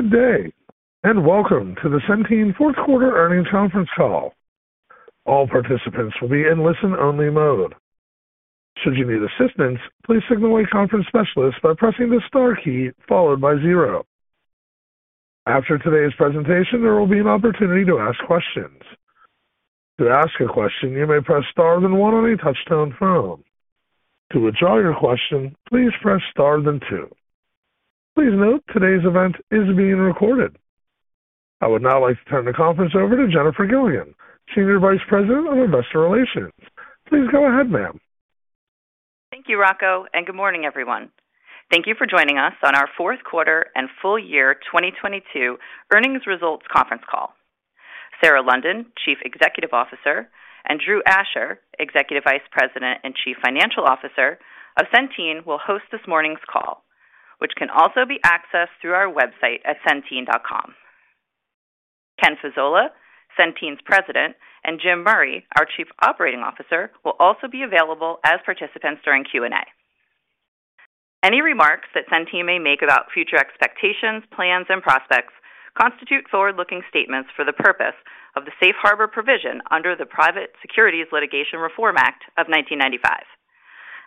Good day, and welcome to the Centene Fourth Quarter Earnings Conference Call. All participants will be in listen only mode. Should you need assistance, please signal a conference specialist by pressing the star key followed by zero. After today's presentation, there will be an opportunity to ask questions. To ask a question, you may press star then one on a touch-tone phone. To withdraw your question, please press star then two. Please note today's event is being recorded. I would now like to turn the conference over to Jennifer Gilligan, Senior Vice President of Investor Relations. Please go ahead, ma'am. Thank you, Rocco. Good morning, everyone. Thank you for joining us on our fourth quarter and full year 2022 earnings results conference call. Sarah London, Chief Executive Officer, and Drew Asher, Executive Vice President and Chief Financial Officer of Centene, will host this morning's call, which can also be accessed through our website at centene.com. Ken Fasola, Centene's President, and Jim Murray, our Chief Operating Officer, will also be available as participants during Q&A. Any remarks that Centene may make about future expectations, plans, and prospects constitute forward-looking statements for the purpose of the Safe Harbor provision under the Private Securities Litigation Reform Act of 1995.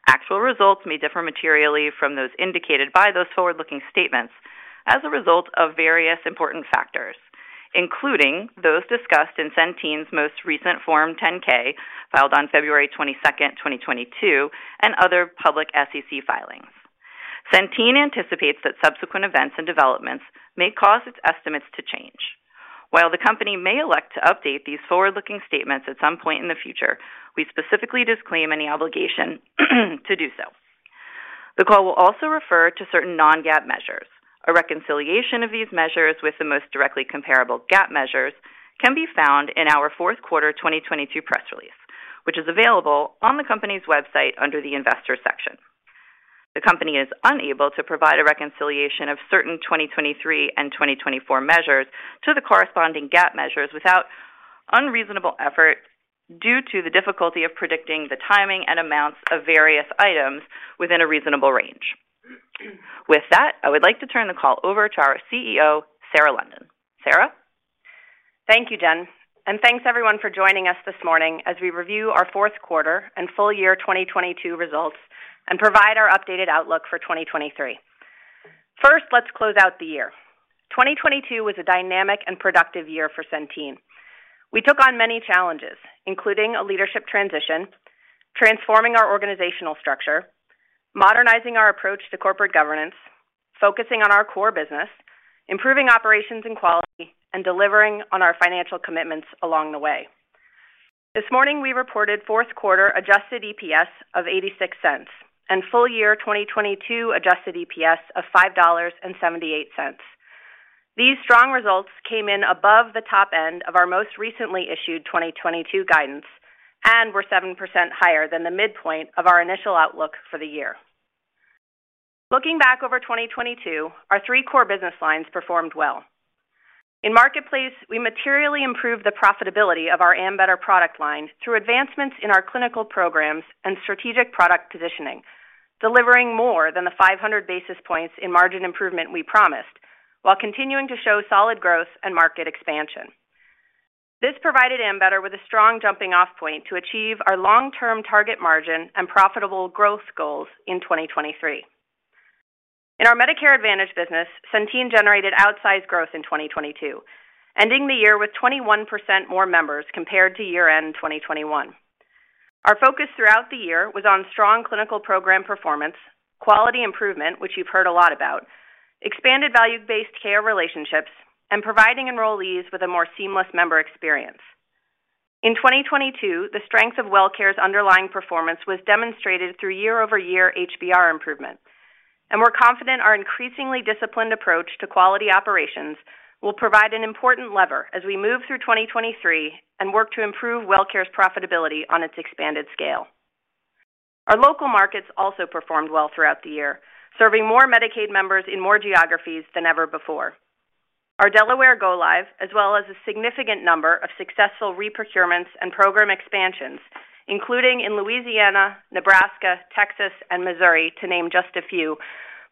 Actual results may differ materially from those indicated by those forward-looking statements as a result of various important factors, including those discussed in Centene's most recent Form 10-K, filed on February 22nd, 2022, and other public SEC filings. Centene anticipates that subsequent events and developments may cause its estimates to change. While the Company may elect to update these forward-looking statements at some point in the future, we specifically disclaim any obligation to do so. The call will also refer to certain non-GAAP measures. A reconciliation of these measures with the most directly comparable GAAP measures can be found in our fourth quarter 2022 press release, which is available on the company's website under the Investors section. The company is unable to provide a reconciliation of certain 2023 and 2024 measures to the corresponding GAAP measures without unreasonable effort due to the difficulty of predicting the timing and amounts of various items within a reasonable range. With that, I would like to turn the call over to our CEO, Sarah London. Sarah? Thank you, Jen. Thanks everyone for joining us this morning as we review our fourth quarter and full year 2022 results and provide our updated outlook for 2023. First, let's close out the year. 2022 was a dynamic and productive year for Centene. We took on many challenges, including a leadership transition, transforming our organizational structure, modernizing our approach to corporate governance, focusing on our core business, improving operations and quality, and delivering on our financial commitments along the way. This morning, we reported fourth quarter adjusted EPS of $0.86 and full year 2022 adjusted EPS of $5.78. These strong results came in above the top end of our most recently issued 2022 guidance and were 7% higher than the midpoint of our initial outlook for the year. Looking back over 2022, our three core business lines performed well. In Marketplace, we materially improved the profitability of our Ambetter product line through advancements in our clinical programs and strategic product positioning, delivering more than the 500 basis points in margin improvement we promised, while continuing to show solid growth and market expansion. This provided Ambetter with a strong jumping off point to achieve our long-term target margin and profitable growth goals in 2023. In our Medicare Advantage business, Centene generated outsized growth in 2022, ending the year with 21% more members compared to year-end 2021. Our focus throughout the year was on strong clinical program performance, quality improvement, which you've heard a lot about, expanded value-based care relationships, and providing enrollees with a more seamless member experience. In 2022, the strength of Wellcare's underlying performance was demonstrated through year-over-year HBR improvements, and we're confident our increasingly disciplined approach to quality operations will provide an important lever as we move through 2023 and work to improve Wellcare's profitability on its expanded scale. Our local markets also performed well throughout the year, serving more Medicaid members in more geographies than ever before. Our Delaware go-live, as well as a significant number of successful re-procurements and program expansions, including in Louisiana, Nebraska, Texas, and Missouri, to name just a few,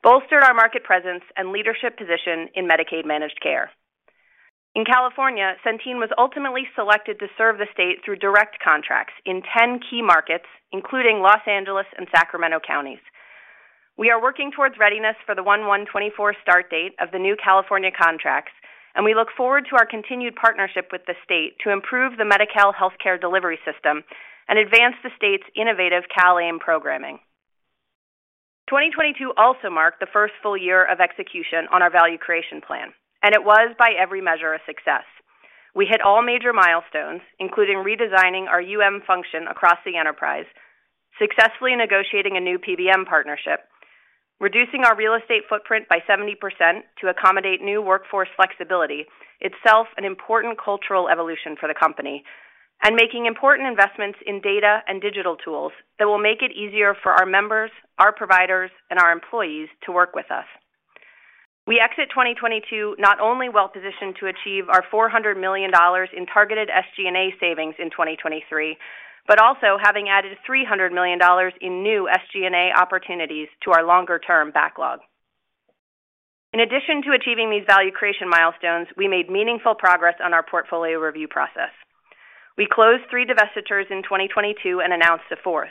bolstered our market presence and leadership position in Medicaid managed care. In California, Centene was ultimately selected to serve the state through direct contracts in 10 key markets, including Los Angeles and Sacramento counties. We are working towards readiness for the 1/1/2024 start date of the new California contracts, and we look forward to our continued partnership with the state to improve the Medi-Cal healthcare delivery system and advance the state's innovative CalAIM programming. 2022 also marked the first full year of execution on our value creation plan, and it was, by every measure, a success. We hit all major milestones, including redesigning our UM function across the enterprise, successfully negotiating a new PBM partnership, reducing our real estate footprint by 70% to accommodate new workforce flexibility, itself an important cultural evolution for the company, and making important investments in data and digital tools that will make it easier for our members, our providers, and our employees to work with us. We exit 2022 not only well-positioned to achieve our $400 million in targeted SG&A savings in 2023, but also having added $300 million in new SG&A opportunities to our longer-term backlog. In addition to achieving these value creation milestones, we made meaningful progress on our portfolio review process. We closed three divestitures in 2022 and announced a 4th.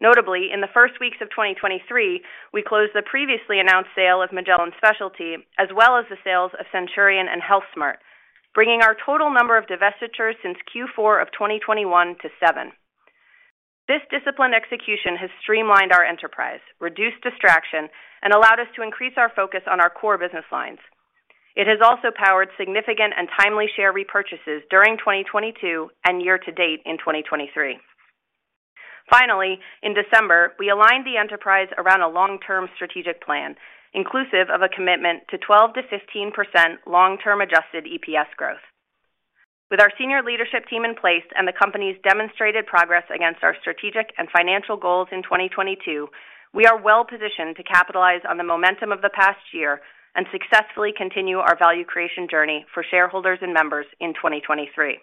Notably, in the first weeks of 2023, we closed the previously announced sale of Magellan Specialty, as well as the sales of Centurion and HealthSmart, bringing our total number of divestitures since Q4 of 2021 to 7. This disciplined execution has streamlined our enterprise, reduced distraction, and allowed us to increase our focus on our core business lines. It has also powered significant and timely share repurchases during 2022 and year-to-date in 2023. Finally, in December, we aligned the enterprise around a long-term strategic plan, inclusive of a commitment to 12%-15% long-term adjusted EPS growth. With our senior leadership team in place and the company's demonstrated progress against our strategic and financial goals in 2022, we are well-positioned to capitalize on the momentum of the past year and successfully continue our value creation journey for shareholders and members in 2023.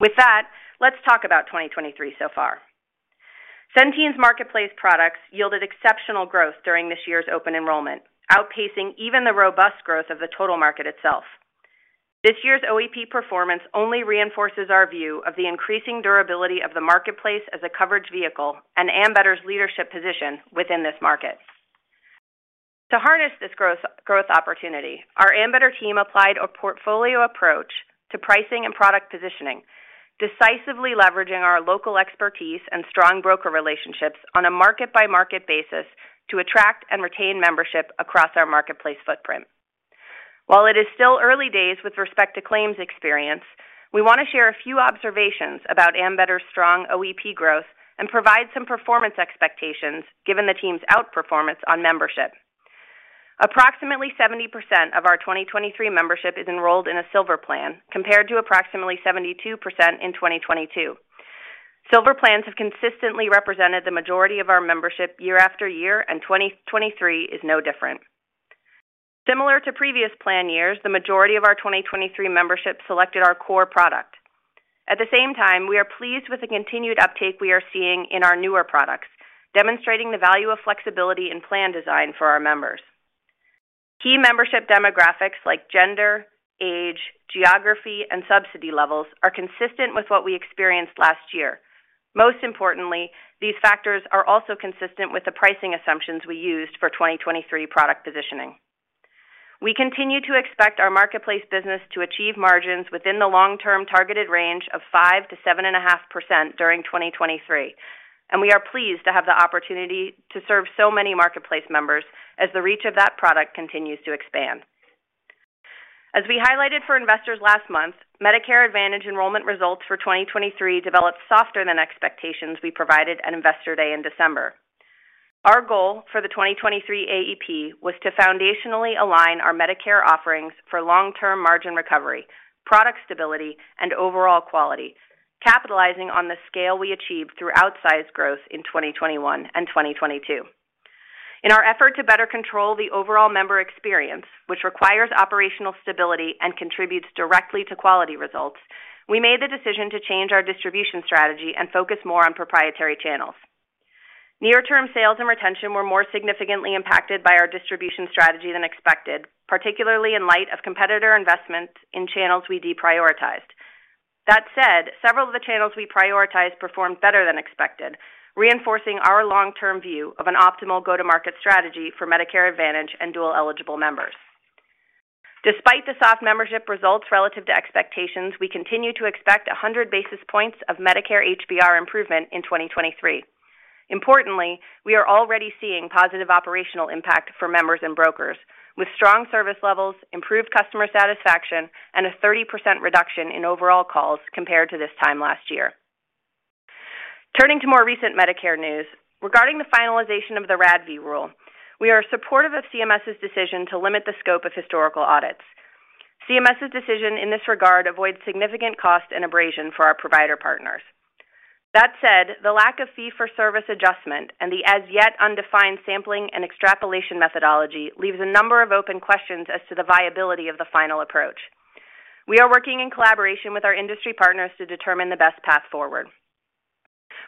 With that, let's talk about 2023 so far. Centene's Marketplace products yielded exceptional growth during this year's open enrollment, outpacing even the robust growth of the total market itself. This year's OEP performance only reinforces our view of the increasing durability of the Marketplace as a coverage vehicle and Ambetter's leadership position within this market. To harness this growth opportunity, our Ambetter team applied a portfolio approach to pricing and product positioning, decisively leveraging our local expertise and strong broker relationships on a market-by-market basis to attract and retain membership across our Marketplace footprint. While it is still early days with respect to claims experience, we want to share a few observations about Ambetter's strong OEP growth and provide some performance expectations given the team's outperformance on membership. Approximately 70% of our 2023 membership is enrolled in a Silver plan, compared to approximately 72% in 2022. Silver plans have consistently represented the majority of our membership year after year, and 2023 is no different. Similar to previous plan years, the majority of our 2023 membership selected our core product. At the same time, we are pleased with the continued uptake we are seeing in our newer products, demonstrating the value of flexibility in plan design for our members. Key membership demographics like gender, age, geography, and subsidy levels are consistent with what we experienced last year. These factors are also consistent with the pricing assumptions we used for 2023 product positioning. We continue to expect our Marketplace business to achieve margins within the long-term targeted range of 5% to 7.5% during 2023, and we are pleased to have the opportunity to serve so many Marketplace members as the reach of that product continues to expand. As we highlighted for investors last month, Medicare Advantage enrollment results for 2023 developed softer than expectations we provided at Investor Day in December. Our goal for the 2023 AEP was to foundationally align our Medicare offerings for long-term margin recovery, product stability, and overall quality, capitalizing on the scale we achieved through outsized growth in 2021 and 2022. In our effort to better control the overall member experience, which requires operational stability and contributes directly to quality results, we made the decision to change our distribution strategy and focus more on proprietary channels. Near-term sales and retention were more significantly impacted by our distribution strategy than expected, particularly in light of competitor investments in channels we deprioritized. Several of the channels we prioritize performed better than expected, reinforcing our long-term view of an optimal go-to-market strategy for Medicare Advantage and dual-eligible members. Despite the soft membership results relative to expectations, we continue to expect 100 basis points of Medicare HBR improvement in 2023. Importantly, we are already seeing positive operational impact for members and brokers, with strong service levels, improved customer satisfaction, and a 30% reduction in overall calls compared to this time last year. Turning to more recent Medicare news, regarding the finalization of the RADV rule, we are supportive of CMS's decision to limit the scope of historical audits. CMS's decision in this regard avoids significant cost and abrasion for our provider partners. That said, the lack of fee-for-service adjustment and the as-yet undefined sampling and extrapolation methodology leaves a number of open questions as to the viability of the final approach. We are working in collaboration with our industry partners to determine the best path forward.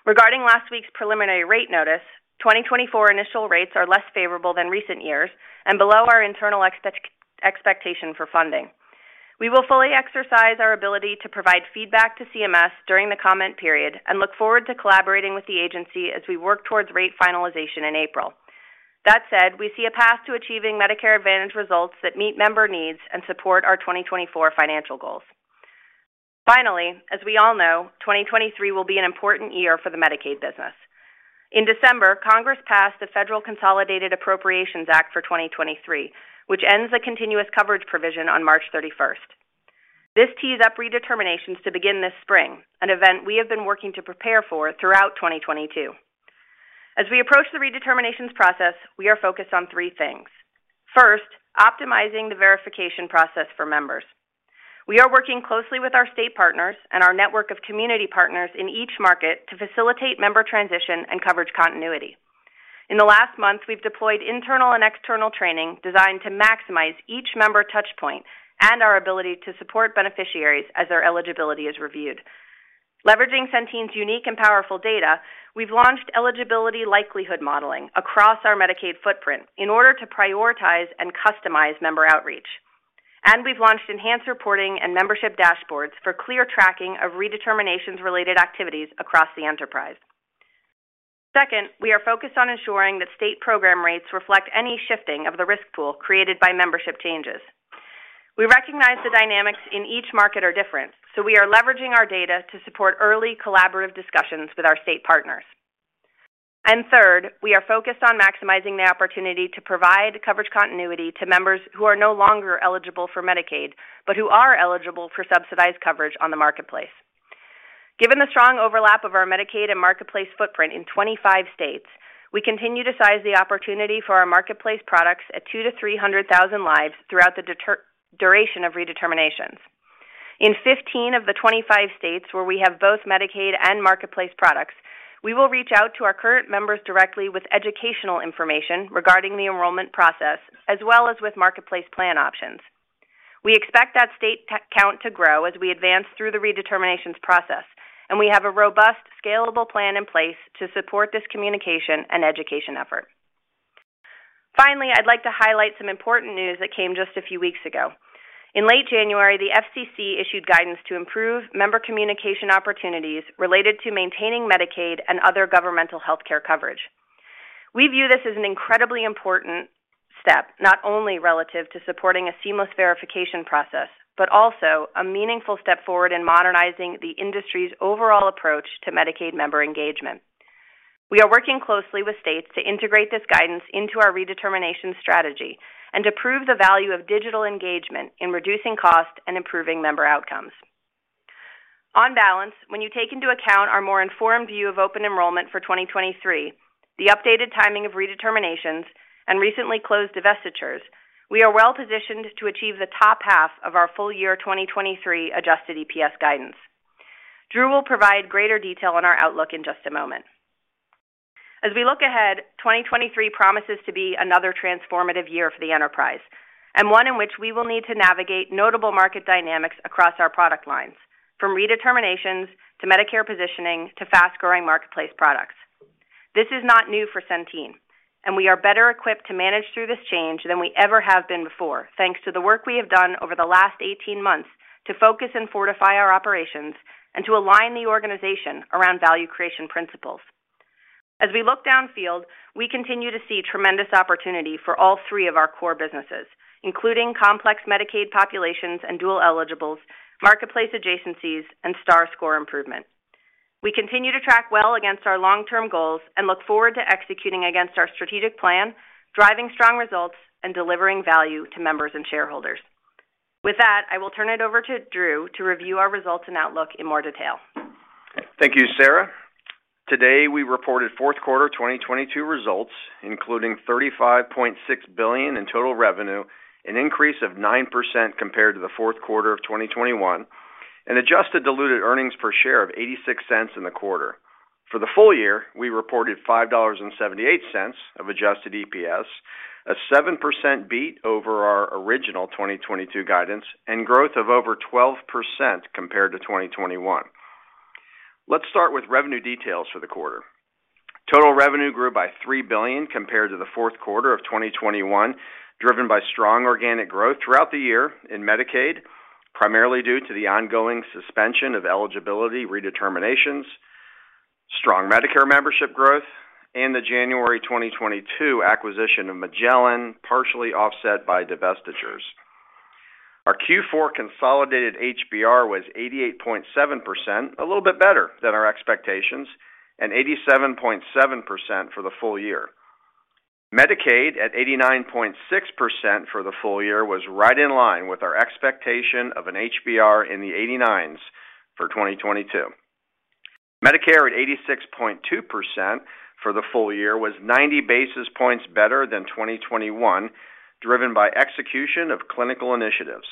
Regarding last week's preliminary rate notice, 2024 initial rates are less favorable than recent years and below our internal expectation for funding. We will fully exercise our ability to provide feedback to CMS during the comment period and look forward to collaborating with the agency as we work towards rate finalization in April. We see a path to achieving Medicare Advantage results that meet member needs and support our 2024 financial goals. As we all know, 2023 will be an important year for the Medicaid business. In December, Congress passed the Federal Consolidated Appropriations Act for 2023, which ends the continuous coverage provision on March 31st. This tees up redeterminations to begin this spring, an event we have been working to prepare for throughout 2022. As we approach the redeterminations process, we are focused on three things. First, optimizing the verification process for members. We are working closely with our state partners and our network of community partners in each market to facilitate member transition and coverage continuity. In the last month, we've deployed internal and external training designed to maximize each member touchpoint and our ability to support beneficiaries as their eligibility is reviewed. Leveraging Centene's unique and powerful data, we've launched eligibility likelihood modeling across our Medicaid footprint in order to prioritize and customize member outreach. We've launched enhanced reporting and membership dashboards for clear tracking of redeterminations related activities across the enterprise. Second, we are focused on ensuring that state program rates reflect any shifting of the risk pool created by membership changes. We recognize the dynamics in each market are different, so we are leveraging our data to support early collaborative discussions with our state partners. Third, we are focused on maximizing the opportunity to provide coverage continuity to members who are no longer eligible for Medicaid, but who are eligible for subsidized coverage on the Marketplace. Given the strong overlap of our Medicaid and Marketplace footprint in 25 states, we continue to size the opportunity for our Marketplace products at 200,000-300,000 lives throughout the duration of redeterminations. In 15 of the 25 states where we have both Medicaid and Marketplace products, we will reach out to our current members directly with educational information regarding the enrollment process, as well as with Marketplace plan options. We expect that state count to grow as we advance through the redeterminations process, we have a robust, scalable plan in place to support this communication and education effort. Finally, I'd like to highlight some important news that came just a few weeks ago. In late January, the FCC issued guidance to improve member communication opportunities related to maintaining Medicaid and other governmental healthcare coverage. We view this as an incredibly important step, not only relative to supporting a seamless verification process, but also a meaningful step forward in modernizing the industry's overall approach to Medicaid member engagement. We are working closely with states to integrate this guidance into our redetermination strategy and to prove the value of digital engagement in reducing cost and improving member outcomes. On balance, when you take into account our more informed view of open enrollment for 2023, the updated timing of redeterminations, and recently closed divestitures, we are well-positioned to achieve the top half of our full year 2023 adjusted EPS guidance. Drew will provide greater detail on our outlook in just a moment. As we look ahead, 2023 promises to be another transformative year for the enterprise, and one in which we will need to navigate notable market dynamics across our product lines, from redeterminations to Medicare positioning to fast-growing Marketplace products. This is not new for Centene, and we are better equipped to manage through this change than we ever have been before, thanks to the work we have done over the last 18 months to focus and fortify our operations and to align the organization around value creation principles. As we look downfield, we continue to see tremendous opportunity for all three of our core businesses, including complex Medicaid populations and dual eligibles, Marketplace adjacencies, and Star score improvement. We continue to track well against our long-term goals and look forward to executing against our strategic plan, driving strong results, and delivering value to members and shareholders. With that, I will turn it over to Drew to review our results and outlook in more detail. Thank you, Sarah. Today, we reported fourth quarter 2022 results, including $35.6 billion in total revenue, an increase of 9% compared to the fourth quarter of 2021, an adjusted diluted earnings per share of $0.86 in the quarter. For the full year, we reported $5.78 of adjusted EPS, a 7% beat over our original 2022 guidance and growth of over 12% compared to 2021. Let's start with revenue details for the quarter. Total revenue grew by $3 billion compared to the fourth quarter of 2021, driven by strong organic growth throughout the year in Medicaid, primarily due to the ongoing suspension of eligibility redeterminations, strong Medicare membership growth, and the January 2022 acquisition of Magellan, partially offset by divestitures. Our Q4 consolidated HBR was 88.7%, a little bit better than our expectations, and 87.7% for the full year. Medicaid, at 89.6% for the full year, was right in line with our expectation of an HBR in the eighty-nines for 2022. Medicare, at 86.2% for the full year, was 90 basis points better than 2021, driven by execution of clinical initiatives.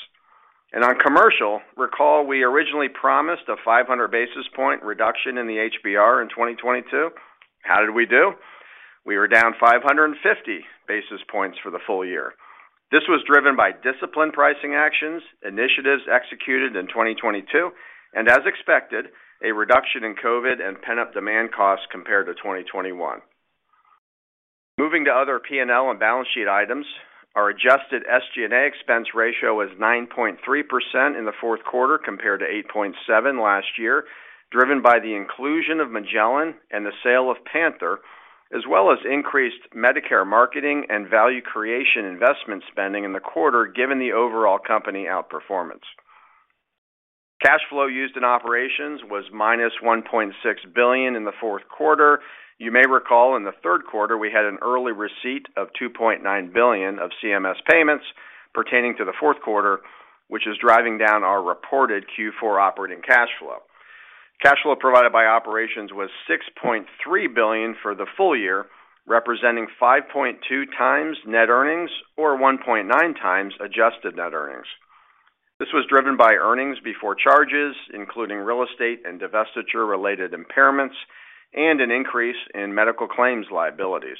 On commercial, recall we originally promised a 500 basis point reduction in the HBR in 2022. How did we do? We were down 550 basis points for the full year. This was driven by disciplined pricing actions, initiatives executed in 2022, and as expected, a reduction in COVID and pent-up demand costs compared to 2021. Moving to other P&L and balance sheet items. Our adjusted SG&A expense ratio was 9.3% in the fourth quarter compared to 8.7% last year, driven by the inclusion of Magellan and the sale of PANTHERx, as well as increased Medicare marketing and value creation investment spending in the quarter, given the overall company outperformance. Cash flow used in operations was -$1.6 billion in the fourth quarter. You may recall in the third quarter, we had an early receipt of $2.9 billion of CMS payments pertaining to the fourth quarter, which is driving down our reported Q4 operating cash flow. Cash flow provided by operations was $6.3 billion for the full year, representing 5.2x net earnings or 1.9x adjusted net earnings. This was driven by earnings before charges, including real estate and divestiture-related impairments and an increase in medical claims liabilities.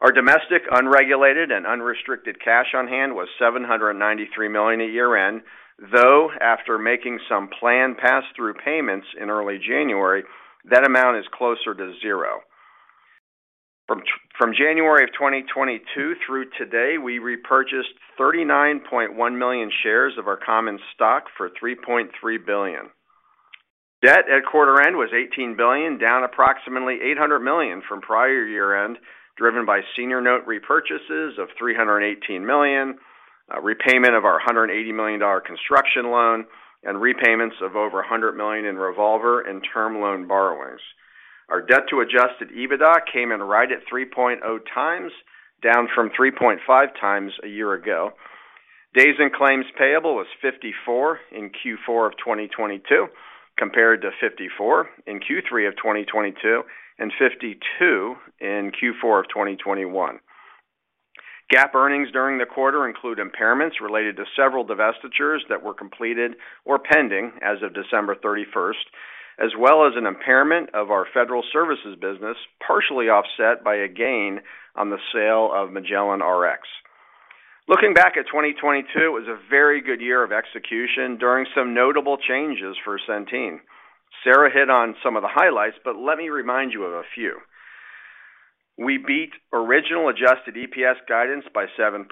Our domestic unregulated and unrestricted cash on hand was $793 million at year-end, though after making some planned passthrough payments in early January, that amount is closer to zero. From January 2022 through today, we repurchased 39.1 million shares of our common stock for $3.3 billion. Debt at quarter end was $18 billion, down approximately $800 million from prior year-end, driven by senior note repurchases of $318 million, repayment of our $180 million dollar construction loan, and repayments of over $100 million in revolver and term loan borrowings. Our debt to Adjusted EBITDA came in right at 3.0x, down from 3.5x a year ago. Days in claims payable was 54 in Q4 of 2022, compared to 54 in Q3 of 2022 and 52 in Q4 of 2021. GAAP earnings during the quarter include impairments related to several divestitures that were completed or pending as of December 31st, as well as an impairment of our federal services business, partially offset by a gain on the sale of Magellan Rx. Looking back at 2022, it was a very good year of execution during some notable changes for Centene. Sarah hit on some of the highlights, but let me remind you of a few. We beat original adjusted EPS guidance by 7%.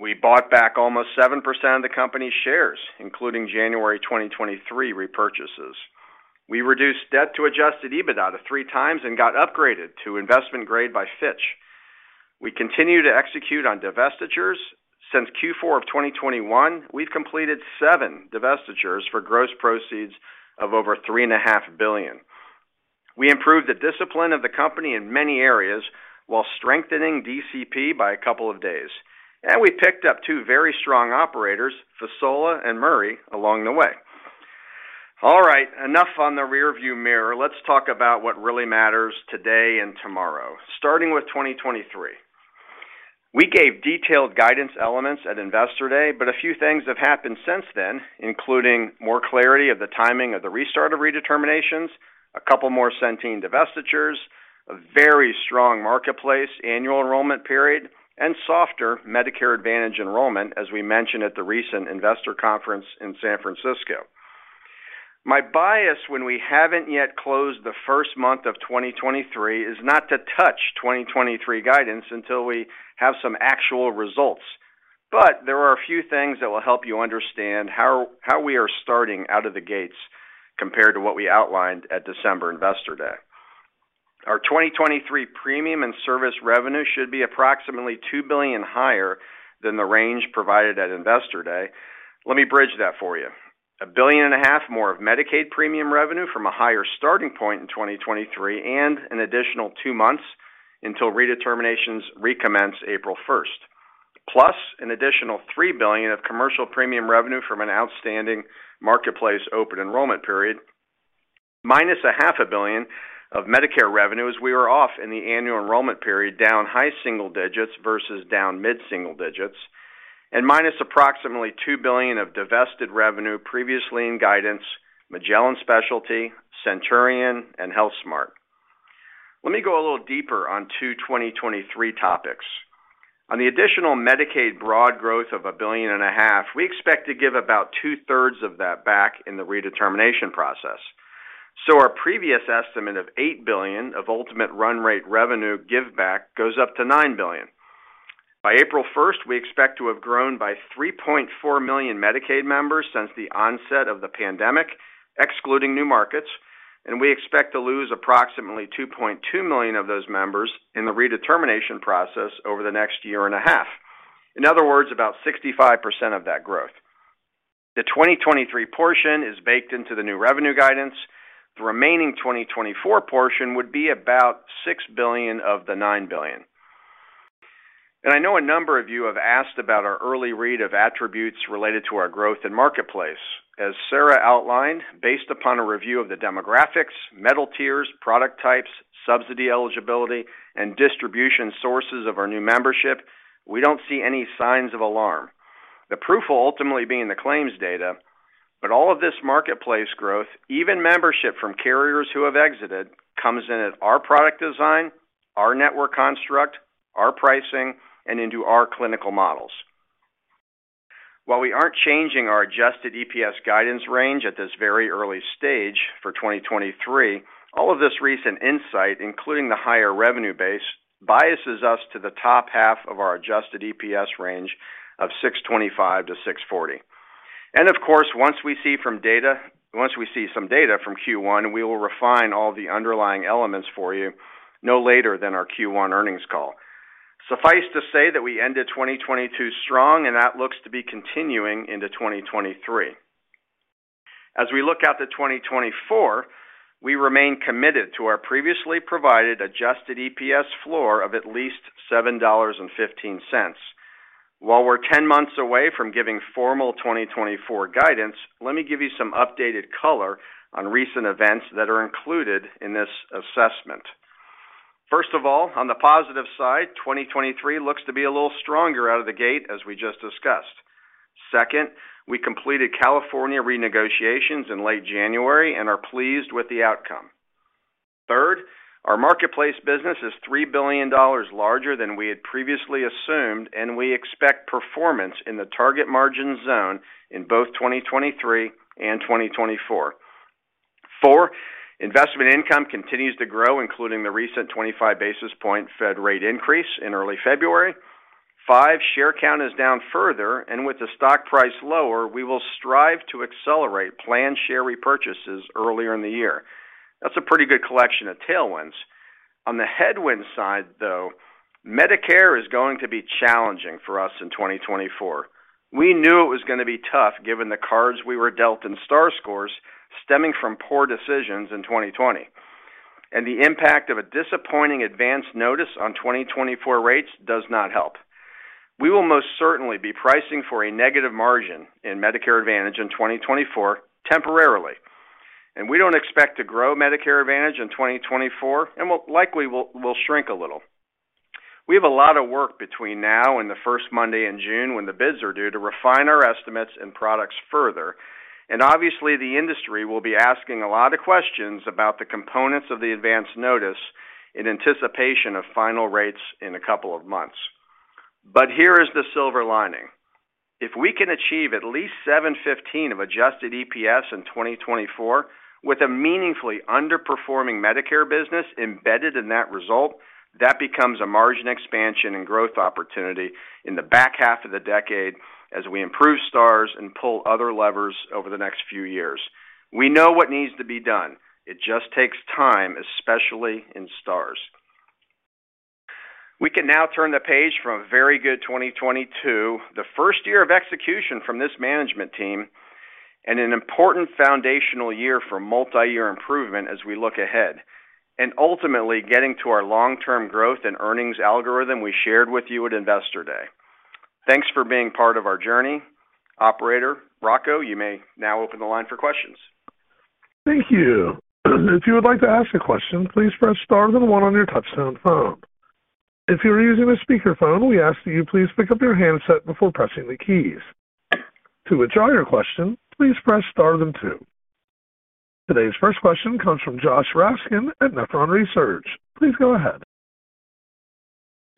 We bought back almost 7% of the company's shares, including January 2023 repurchases. We reduced debt to Adjusted EBITDA to three times and got upgraded to investment grade by Fitch. We continue to execute on divestitures. Since Q4 of 2021, we've completed seven divestitures for gross proceeds of over $3.5 billion. We improved the discipline of the company in many areas while strengthening DCP by a couple of days. We picked up two very strong operators, Fasola and Murray, along the way. All right, enough on the rearview mirror. Let's talk about what really matters today and tomorrow, starting with 2023. A few things have happened since then, including more clarity of the timing of the restart of redeterminations, a couple more Centene divestitures, a very strong Marketplace annual enrollment period, and softer Medicare Advantage enrollment, as we mentioned at the recent investor conference in San Francisco. My bias when we haven't yet closed the first month of 2023 is not to touch 2023 guidance until we have some actual results. There are a few things that will help you understand how we are starting out of the gates compared to what we outlined at December Investor Day. Our 2023 premium and service revenue should be approximately $2 billion higher than the range provided at Investor Day. Let me bridge that for you. A billion and a half more of Medicaid premium revenue from a higher starting point in 2023 and an additional two months until redeterminations recommence April first, plus an additional $3 billion of commercial premium revenue from an outstanding Marketplace open enrollment period, minus a half a billion of Medicare revenue as we were off in the annual enrollment period, down high single digits versus down mid-single digits, and minus approximately $2 billion of divested revenue previously in guidance, Magellan Specialty, Centurion, and HealthSmart. Let me go a little deeper on two 2023 topics. On the additional Medicaid broad growth of a billion and a half, we expect to give about two-thirds of that back in the redetermination process. Our previous estimate of $8 billion of ultimate run rate revenue giveback goes up to $9 billion. By April 1st, we expect to have grown by $3.4 million Medicaid members since the onset of the pandemic, excluding new markets, and we expect to lose approximately $2.2 million of those members in the redetermination process over the next year and a half. In other words, about 65% of that growth. The 2023 portion is baked into the new revenue guidance. The remaining 2024 portion would be about $6 billion of the $9 billion. I know a number of you have asked about our early read of attributes related to our growth in Marketplace. As Sarah outlined, based upon a review of the demographics, metal tiers, product types, subsidy eligibility, and distribution sources of our new membership, we don't see any signs of alarm. The proof will ultimately be in the claims data, but all of this Marketplace growth, even membership from carriers who have exited, comes in at our product design, our network construct, our pricing, and into our clinical models. While we aren't changing our adjusted EPS guidance range at this very early stage for 2023, all of this recent insight, including the higher revenue base, biases us to the top half of our adjusted EPS range of $6.25-$6.40. Of course, once we see some data from Q1, we will refine all the underlying elements for you no later than our Q1 earnings call. Suffice to say that we ended 2022 strong, and that looks to be continuing into 2023. As we look out to 2024, we remain committed to our previously provided adjusted EPS floor of at least $7.15. While we're 10 months away from giving formal 2024 guidance, let me give you some updated color on recent events that are included in this assessment. First of all, on the positive side, 2023 looks to be a little stronger out of the gate, as we just discussed. Second, we completed California renegotiations in late January and are pleased with the outcome. Third, our Marketplace business is $3 billion larger than we had previously assumed, and we expect performance in the target margin zone in both 2023 and 2024. Four, investment income continues to grow, including the recent 25 basis point Fed rate increase in early February. 5, share count is down further, and with the stock price lower, we will strive to accelerate planned share repurchases earlier in the year. That's a pretty good collection of tailwinds. On the headwind side, though, Medicare is going to be challenging for us in 2024. We knew it was gonna be tough given the cards we were dealt in star scores stemming from poor decisions in 2020. The impact of a disappointing advance notice on 2024 rates does not help. We will most certainly be pricing for a negative margin in Medicare Advantage in 2024 temporarily, and we don't expect to grow Medicare Advantage in 2024, and likely will shrink a little. We have a lot of work between now and the first Monday in June when the bids are due to refine our estimates and products further. Obviously, the industry will be asking a lot of questions about the components of the advance notice in anticipation of final rates in a couple of months. Here is the silver lining. If we can achieve at least $7.15 of adjusted EPS in 2024 with a meaningfully underperforming Medicare business embedded in that result, that becomes a margin expansion and growth opportunity in the back half of the decade as we improve stars and pull other levers over the next few years. We know what needs to be done. It just takes time, especially in stars. We can now turn the page from a very good 2022, the first year of execution from this management team and an important foundational year for multi-year improvement as we look ahead, and ultimately getting to our long-term growth and earnings algorithm we shared with you at Investor Day. Thanks for being part of our journey. Operator Rocco, you may now open the line for questions. Thank you. If you would like to ask a question, please press Star then one on your touchtone phone. If you are using a speakerphone, we ask that you please pick up your handset before pressing the keys. To withdraw your question, please press Star then two. Today's first question comes from Josh Raskin at Nephron Research. Please go ahead.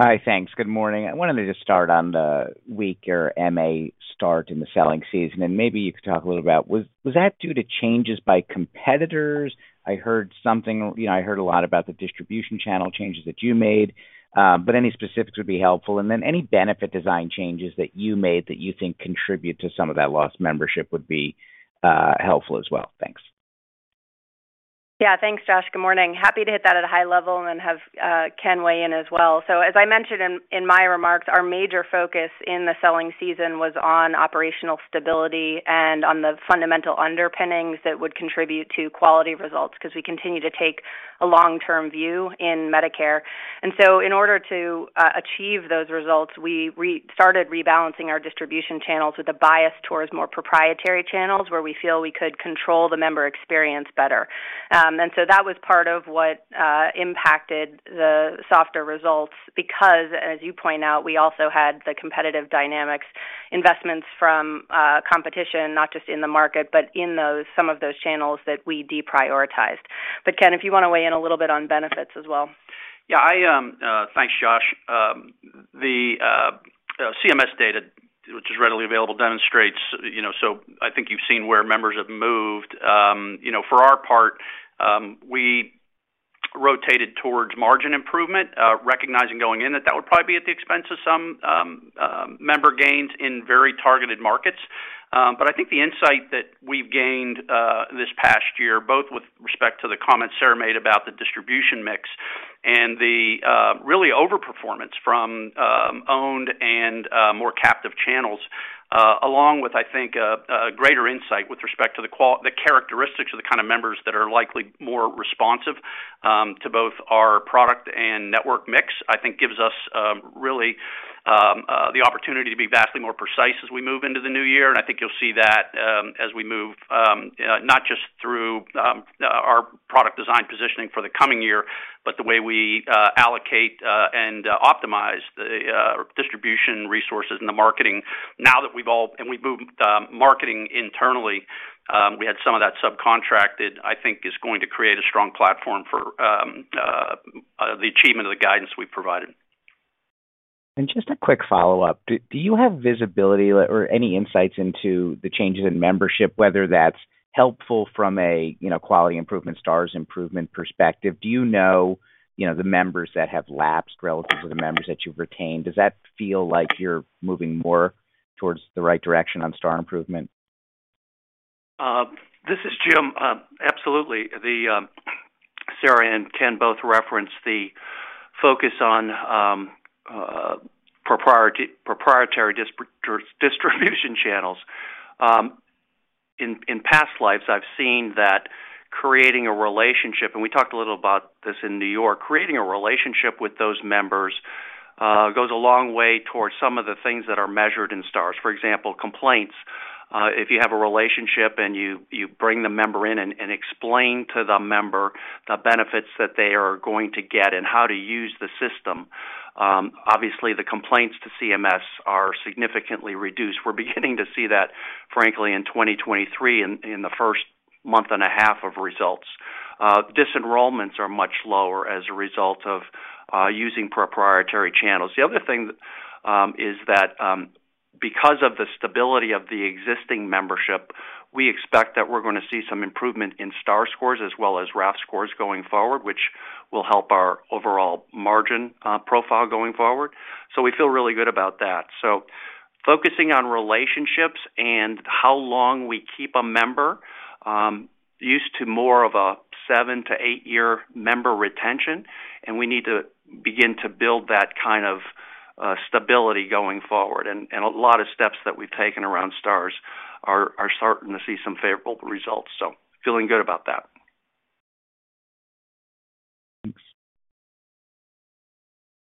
Hi. Thanks. Good morning. I wanted to just start on the weaker MA start in the selling season. Maybe you could talk a little about was that due to changes by competitors? I heard something. You know, I heard a lot about the distribution channel changes that you made, but any specifics would be helpful. Then any benefit design changes that you made that you think contribute to some of that lost membership would be helpful as well. Thanks. Yeah. Thanks, Josh. Good morning. Happy to hit that at a high level and then have Ken weigh in as well. As I mentioned in my remarks, our major focus in the selling season was on operational stability and on the fundamental underpinnings that would contribute to quality results 'cause we continue to take a long-term view in Medicare. In order to achieve those results, we started rebalancing our distribution channels with a bias towards more proprietary channels where we feel we could control the member experience better. That was part of what impacted the softer results because, as you point out, we also had the competitive dynamics investments from competition, not just in the market, but in some of those channels that we deprioritized. Ken, if you wanna weigh in a little bit on benefits as well. Yeah, I... Thanks, Josh. The CMS data, which is readily available, demonstrates, you know, so I think you've seen where members have moved. You know, for our part, we rotated towards margin improvement, recognizing going in that that would probably be at the expense of some member gains in very targeted markets. I think the insight that we've gained this past year, both with respect to the comments Sarah made about the distribution mix and the really over-performance from owned and more captive channels along with, I think, a greater insight with respect to the characteristics of the kind of members that are likely more responsive to both our product and network mix, I think gives us really the opportunity to be vastly more precise as we move into the new year. I think you'll see that, as we move, not just through, our product design positioning for the coming year, but the way we allocate, and optimize the distribution resources and the marketing now that we've moved marketing internally, we had some of that subcontracted, I think is going to create a strong platform for the achievement of the guidance we've provided. Just a quick follow-up. Do you have visibility or any insights into the changes in membership, whether that's helpful from a, you know, quality improvement, Stars improvement perspective? Do you know, you know, the members that have lapsed relative to the members that you've retained? Does that feel like you're moving more towards the right direction on Star improvement? This is Jim. Absolutely. Sarah and Ken both referenced the focus on proprietary distribution channels. In past lives, I've seen that creating a relationship, and we talked a little about this in New York, creating a relationship with those members, goes a long way towards some of the things that are measured in stars. For example, complaints. If you have a relationship and you bring the member in and explain to the member the benefits that they are going to get and how to use the system, obviously the complaints to CMS are significantly reduced. We're beginning to see that frankly, in 2023 in the first month and a half of results. Disenrollments are much lower as a result of using proprietary channels. The other thing is that because of the stability of the existing membership, we expect that we're going to see some improvement in Star Ratings as well as RAF going forward, which will help our overall margin profile going forward. We feel really good about that. Focusing on relationships and how long we keep a member, used to more of a seven to eight-year member retention, and we need to begin to build that kind of stability going forward. A lot of steps that we've taken around Star Ratings are starting to see some favorable results, so feeling good about that.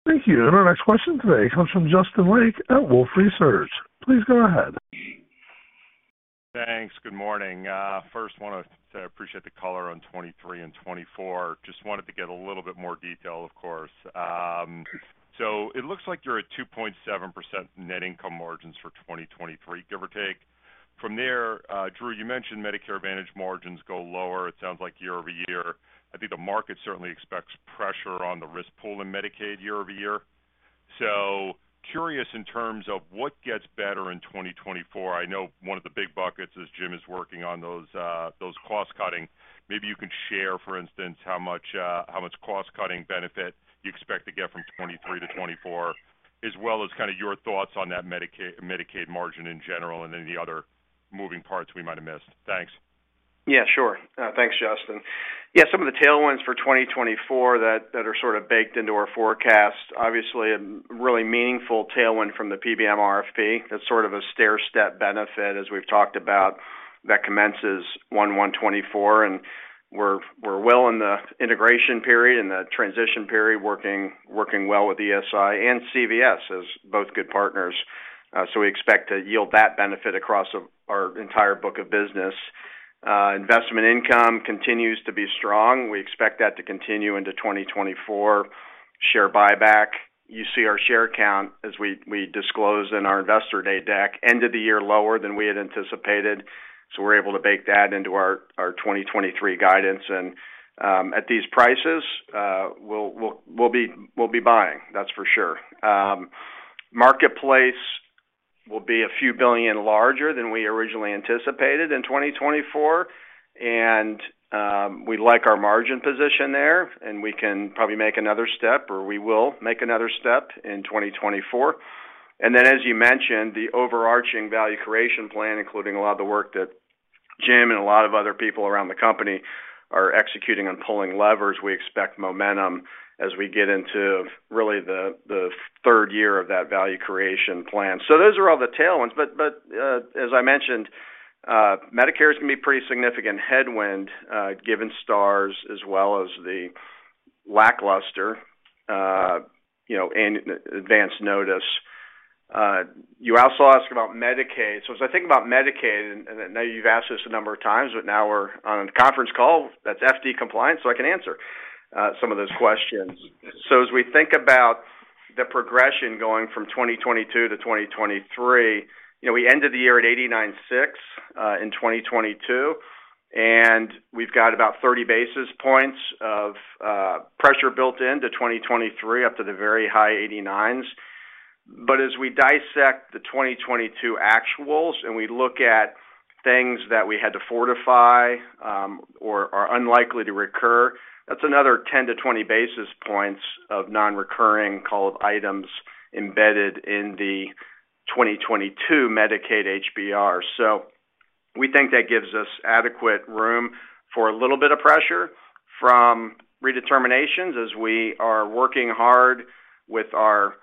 Thanks. Thank you. Our next question today comes from Justin Lake at Wolfe Research. Please go ahead. Thanks. Good morning. First wanna say I appreciate the color on 2023 and 2024. Just wanted to get a little bit more detail, of course. It looks like you're at 2.7% net income margins for 2023, give or take. From there, Drew, you mentioned Medicare Advantage margins go lower, it sounds like year-over-year. I think the market certainly expects pressure on the risk pool in Medicaid year-over-year. Curious in terms of what gets better in 2024. I know one of the big buckets is Jim is working on those cost cutting. Maybe you can share, for instance, how much, how much cost cutting benefit you expect to get from 2023 to 2024, as well as kinda your thoughts on that Medicaid margin in general and any other moving parts we might have missed. Thanks. Sure. Thanks, Justin. Some of the tailwinds for 2024 that are sort of baked into our forecast, obviously a really meaningful tailwind from the PBM RFP. That's sort of a stairstep benefit as we've talked about, that commences 1/1/2024. We're well in the integration period and the transition period, working well with ESI and CVS as both good partners. We expect to yield that benefit across our entire book of business. Investment income continues to be strong. We expect that to continue into 2024. Share buyback. You see our share count as we disclose in our Investor Day deck, end of the year lower than we had anticipated. We're able to bake that into our 2023 guidance. At these prices, we'll be buying, that's for sure. Marketplace will be a few billion larger than we originally anticipated in 2024, and we like our margin position there, and we can probably make another step, or we will make another step in 2024. As you mentioned, the overarching value creation plan, including a lot of the work that Jim and a lot of other people around the company are executing on pulling levers, we expect momentum as we get into really the third year of that value creation plan. Those are all the tailwinds. As I mentioned, Medicare's gonna be pretty significant headwind, given stars as well as the lackluster, you know, in advance notice. You also asked about Medicaid. As I think about Medicaid, I know you've asked this a number of times, now we're on a conference call that's FD compliant, I can answer some of those questions. As we think about the progression going from 2022 to 2023, you know, we ended the year at 89.6% in 2022, we've got about 30 basis points of pressure built into 2023, up to the very high eighty-nines. As we dissect the 2022 actuals we look at things that we had to fortify, or are unlikely to recur, that's another 10-20 basis points of non-recurring called items embedded in the 2022 Medicaid HBR. We think that gives us adequate room for a little bit of pressure from redeterminations as we are working hard with our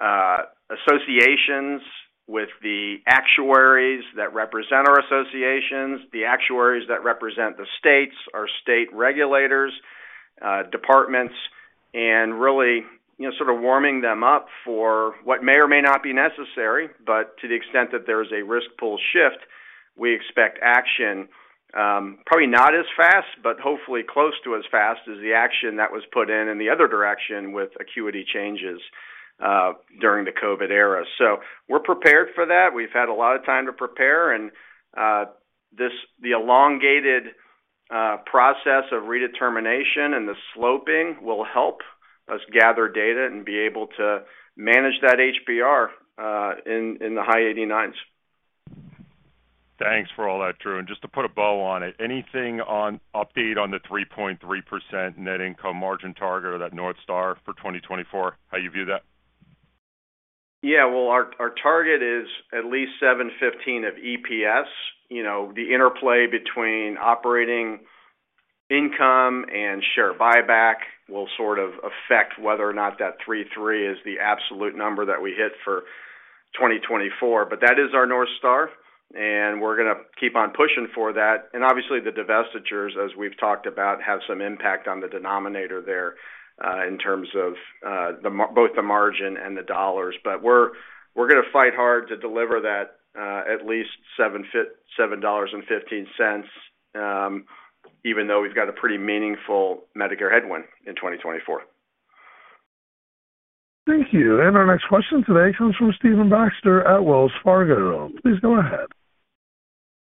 associations, with the actuaries that represent our associations, the actuaries that represent the states, our state regulators, departments, and really, you know, sort of warming them up for what may or may not be necessary. To the extent that there's a risk pool shift, we expect action, probably not as fast, but hopefully close to as fast as the action that was put in the other direction with acuity changes during the COVID era. We're prepared for that. We've had a lot of time to prepare. The elongated process of redetermination and the sloping will help us gather data and be able to manage that HBR in the high eighty-nines. Thanks for all that, Drew. Just to put a bow on it, anything on update on the 3.3% net income margin target or that North Star for 2024, how you view that? Well, our target is at least $7.15 of EPS. You know, the interplay between operating income and share buyback will sort of affect whether or not that 3.3 is the absolute number that we hit for 2024. That is our North Star, and we're gonna keep on pushing for that. Obviously the divestitures, as we've talked about, have some impact on the denominator there, in terms of both the margin and the dollars. We're gonna fight hard to deliver that, at least $7.15, Even though we've got a pretty meaningful Medicare headwind in 2024. Thank you. Our next question today comes from Stephen Baxter at Wells Fargo. Please go ahead.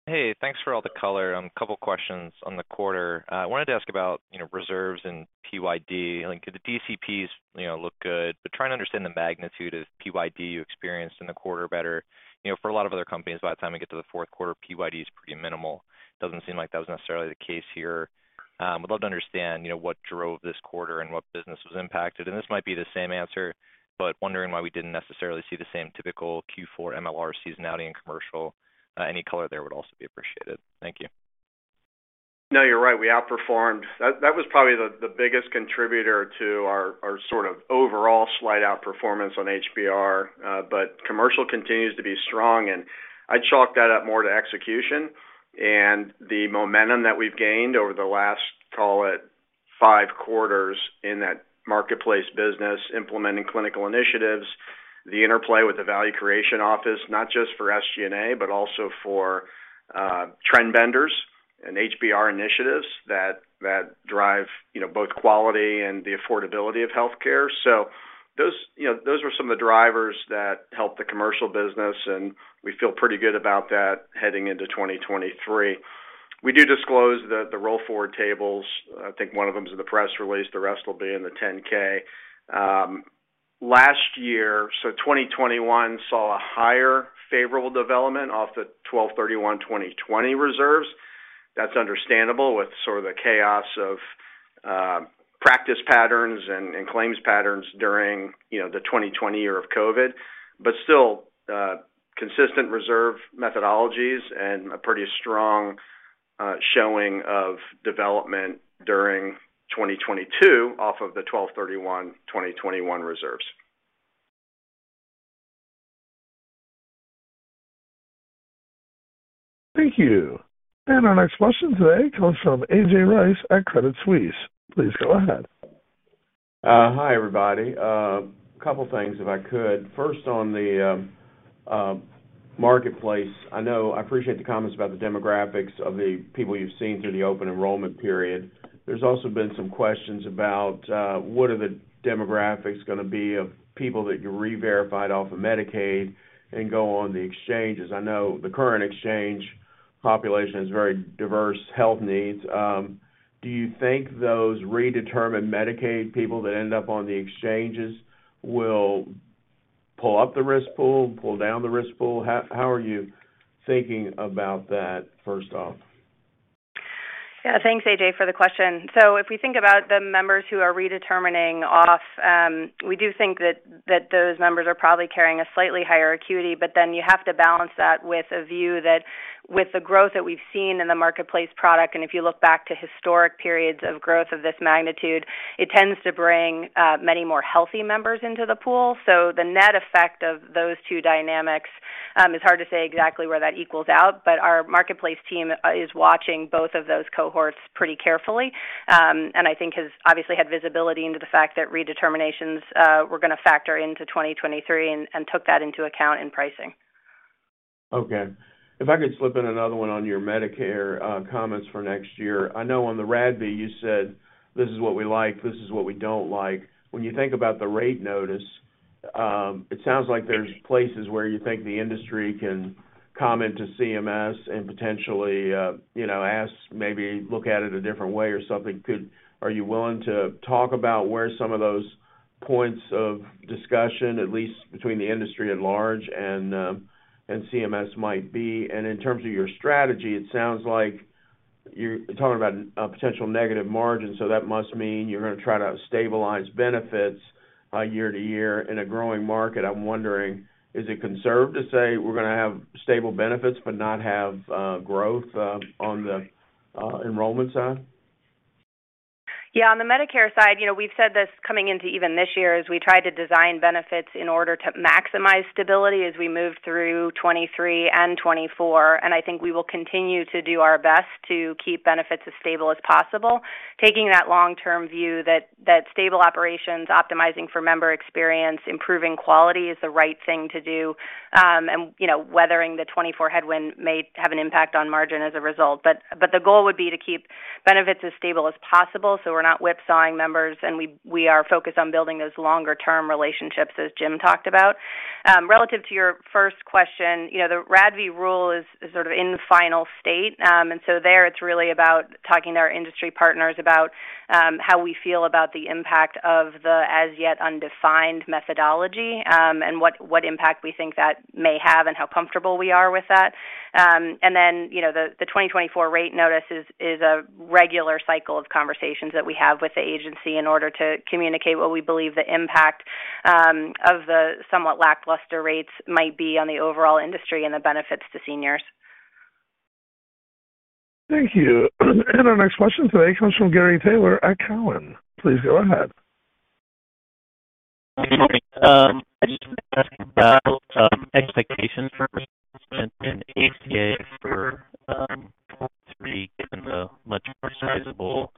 Hey, thanks for all the color. A couple questions on the quarter. I wanted to ask about, you know, reserves and PYD. Like, did the DCPs, you know, look good? Trying to understand the magnitude of PYD you experienced in the quarter better. You know, for a lot of other companies, by the time we get to the fourth quarter, PYD is pretty minimal. It doesn't seem like that was necessarily the case here. Would love to understand, you know, what drove this quarter and what business was impacted. This might be the same answer, but wondering why we didn't necessarily see the same typical Q4 MLR seasonality in commercial. Any color there would also be appreciated. Thank you. No, you're right. We outperformed. That was probably the biggest contributor to our sort of overall slight outperformance on HBR. But commercial continues to be strong, and I chalk that up more to execution and the momentum that we've gained over the last, call it, five quarters in that Marketplace business, implementing clinical initiatives, the interplay with the value creation office, not just for SG&A, but also for trend benders and HBR initiatives that drive, you know, both quality and the affordability of healthcare. Those, you know, those were some of the drivers that helped the commercial business, and we feel pretty good about that heading into 2023. We do disclose the roll forward tables. I think one of them is in the press release. The rest will be in the 10-K. Last year, 2021 saw a higher favorable development off the 12/31/2020 reserves. That's understandable with sort of the chaos of practice patterns and claims patterns during, you know, the 2020 year of COVID, still, consistent reserve methodologies and a pretty strong showing of development during 2022 off of the 12/31/2021 reserves. Thank you. Our next question today comes from A.J. Rice at Credit Suisse. Please go ahead. Hi, everybody. Couple things, if I could. First on the Marketplace. I appreciate the comments about the demographics of the people you've seen through the open enrollment period. There's also been some questions about what are the demographics gonna be of people that you reverified off of Medicaid and go on the exchanges. I know the current exchange population has very diverse health needs. Do you think those redetermined Medicaid people that end up on the exchanges will pull up the risk pool, pull down the risk pool? How are you thinking about that, first off? Yeah. Thanks, A.J., for the question. If we think about the members who are redetermining off, we do think that those members are probably carrying a slightly higher acuity, but then you have to balance that with a view that with the growth that we've seen in the Marketplace product, and if you look back to historic periods of growth of this magnitude, it tends to bring many more healthy members into the pool. The net effect of those two dynamics is hard to say exactly where that equals out, but our Marketplace team is watching both of those cohorts pretty carefully, and I think has obviously had visibility into the fact that redeterminations were gonna factor into 2023 and took that into account in pricing. Okay. If I could slip in another one on your Medicare comments for next year. I know on the RADV, you said, "This is what we like. This is what we don't like." When you think about the rate notice, it sounds like there's places where you think the industry can comment to CMS and potentially, you know, ask, maybe look at it a different way or something. Are you willing to talk about where some of those points of discussion, at least between the industry at large and CMS might be? In terms of your strategy, it sounds like you're talking about a potential negative margin, so that must mean you're gonna try to stabilize benefits, year-to-year in a growing market. I'm wondering, is it conservative to say we're gonna have stable benefits but not have growth on the enrollment side? Yeah. On the Medicare side, you know, we've said this coming into even this year as we try to design benefits in order to maximize stability as we move through 23 and 24, and I think we will continue to do our best to keep benefits as stable as possible, taking that long-term view that stable operations, optimizing for member experience, improving quality is the right thing to do. You know, weathering the 24 headwind may have an impact on margin as a result. But the goal would be to keep benefits as stable as possible, so we're not whipsawing members, and we are focused on building those longer-term relationships as Jim talked about. Relative to your first question, you know, the RADV rule is sort of in the final state. There, it's really about talking to our industry partners about how we feel about the impact of the as yet undefined methodology, and what impact we think that may have and how comfortable we are with that. You know, the 2024 rate notice is a regular cycle of conversations that we have with the agency in order to communicate what we believe the impact of the somewhat lackluster rates might be on the overall industry and the benefits to seniors. Thank you. Our next question today comes from Gary Taylor at Cowen. Please go ahead. Good morning. I just want to ask about expectations for response in ACA for 2023, given the much more sizable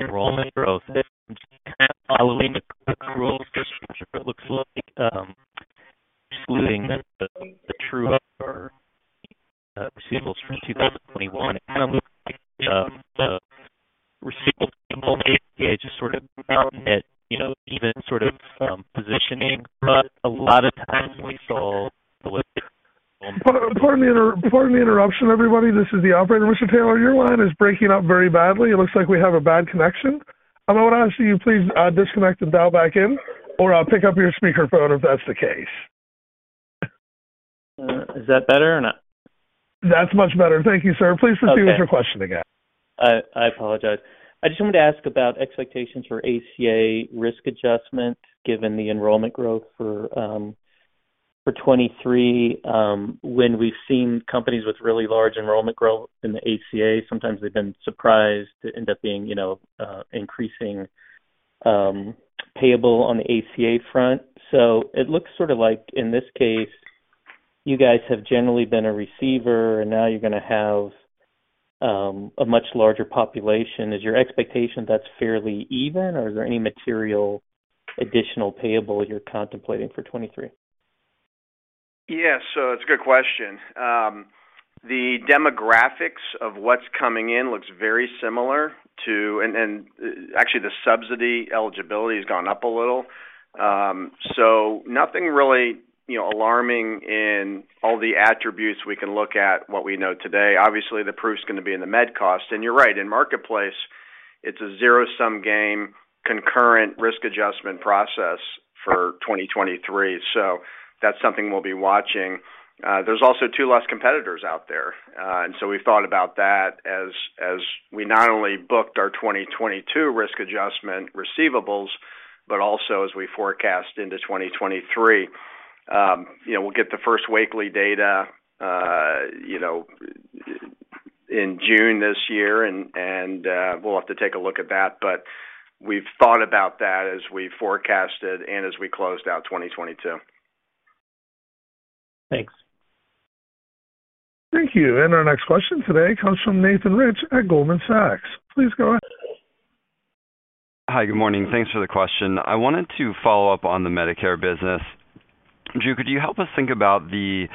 enrollment growth that it looks like. excluding the true receivables from 2021, it kind of looks like, the receivables just sort of out at, you know, even sort of, positioning. A lot of times we saw Pardon the interruption, everybody. This is the operator. Mr. Taylor, your line is breaking up very badly. It looks like we have a bad connection. I would ask you please, disconnect and dial back in, or pick up your speaker phone if that's the case. Is that better or not? That's much better. Thank you, sir. Okay. Please proceed with your question again. I apologize. I just wanted to ask about expectations for ACA risk adjustment given the enrollment growth for 2023. When we've seen companies with really large enrollment growth in the ACA, sometimes they've been surprised to end up being, you know, increasing, payable on the ACA front. It looks sort of like in this case, you guys have generally been a receiver, and now you're gonna have, a much larger population. Is your expectation that's fairly even, or is there any material additional payable you're contemplating for 2023? It's a good question. The demographics of what's coming in looks very similar to. Actually, the subsidy eligibility has gone up a little. Nothing really, you know, alarming in all the attributes we can look at what we know today. Obviously, the proof's gonna be in the med cost. You're right. In Marketplace, it's a zero-sum game, concurrent risk adjustment process for 2023, that's something we'll be watching. There's also two less competitors out there. We've thought about that as we not only booked our 2022 risk adjustment receivables, but also as we forecast into 2023. You know, we'll get the 1st weekly data, you know, in June this year, and we'll have to take a look at that. We've thought about that as we forecasted and as we closed out 2022. Thanks. Thank you. Our next question today comes from Nathan Rich at Goldman Sachs. Please go ahead. Hi. Good morning. Thanks for the question. I wanted to follow up on the Medicare business. Drew, could you help us think about the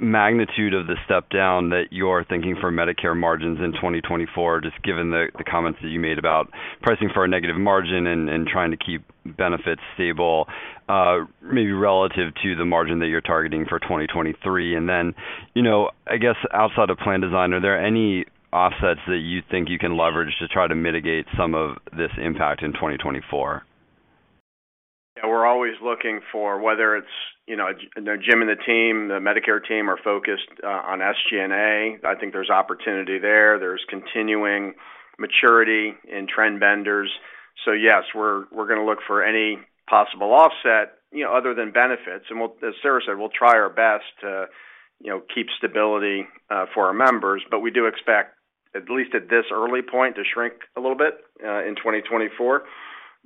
magnitude of the step down that you're thinking for Medicare margins in 2024, just given the comments that you made about pricing for a negative margin and trying to keep benefits stable, maybe relative to the margin that you're targeting for 2023. You know, I guess outside of plan design, are there any offsets that you think you can leverage to try to mitigate some of this impact in 2024? We're always looking for whether it's, you know, Jim and the team, the Medicare team are focused on SG&A. I think there's opportunity there. There's continuing maturity in trend vendors. Yes, we're gonna look for any possible offset, you know, other than benefits. As Sarah said, we'll try our best to, you know, keep stability for our members, but we do expect at least at this early point to shrink a little bit in 2024.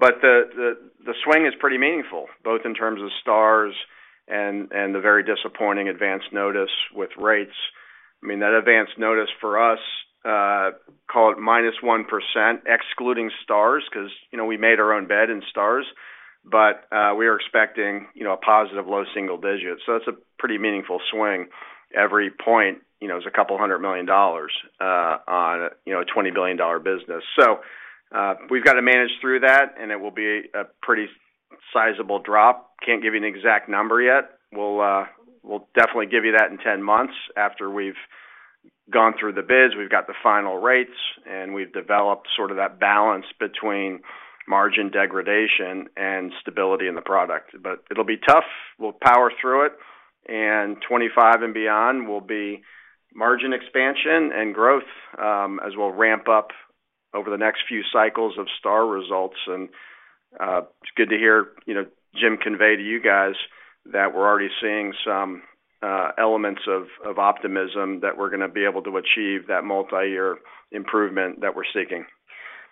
The swing is pretty meaningful, both in terms of stars and the very disappointing advanced notice with rates. I mean, that advanced notice for us, call it -1% excluding stars 'cause, you know, we made our own bed in stars, but we are expecting, you know, a positive low single digits. That's a pretty meaningful swing. Every point, you know, is $200 million on a, you know, $20 billion business. We've got to manage through that, and it will be a pretty sizable drop. Can't give you an exact number yet. We'll definitely give you that in 10 months after we've gone through the bids, we've got the final rates, and we've developed sort of that balance between margin degradation and stability in the product. It'll be tough. We'll power through it, and 2025 and beyond will be margin expansion and growth as we'll ramp up over the next few cycles of Star results. It's good to hear, you know, Jim convey to you guys that we're already seeing some elements of optimism that we're gonna be able to achieve that multi-year improvement that we're seeking.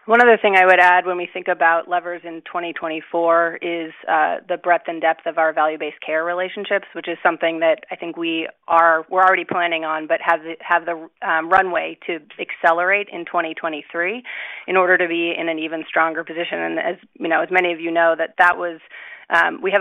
One other thing I would add when we think about levers in 2024 is the breadth and depth of our value-based care relationships, which is something that I think we're already planning on, but have the runway to accelerate in 2023 in order to be in an even stronger position. As, you know, as many of you know, that that was, we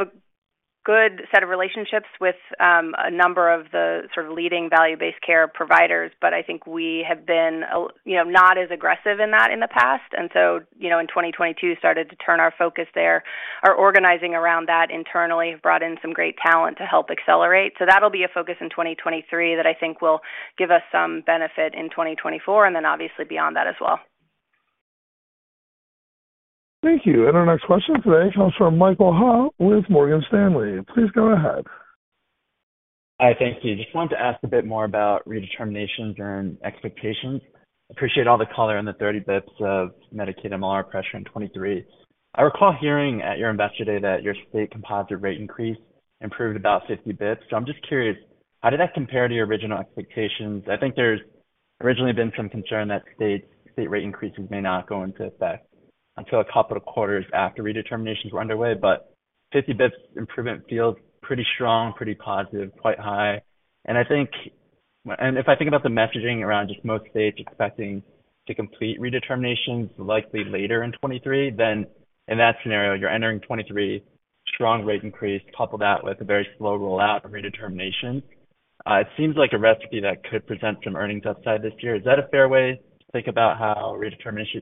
have a good set of relationships with a number of the sort of leading value-based care providers, but I think we have been you know, not as aggressive in that in the past. So, you know, in 2022, started to turn our focus there. Our organizing around that internally have brought in some great talent to help accelerate. That'll be a focus in 2023 that I think will give us some benefit in 2024, and then obviously beyond that as well. Thank you. Our next question today comes from Michael Ha with Morgan Stanley. Please go ahead. Hi. Thank you. Just wanted to ask a bit more about redeterminations and expectations. Appreciate all the color and the 30 bits of Medicaid MLR pressure in 2023. I recall hearing at your Investor Day that your state composite rate increase improved about 50 bits. I'm just curious, how did that compare to your original expectations? I think there's originally been some concern that state rate increases may not go into effect until a couple of quarters after redeterminations were underway, 50 bits improvement feels pretty strong, pretty positive, quite high. If I think about the messaging around just most states expecting to complete redeterminations likely later in 2023, then in that scenario, you're entering 2023 strong rate increase, couple that with a very slow rollout of redetermination. It seems like a recipe that could present some earnings upside this year. Is that a fair way to think about how redeterminations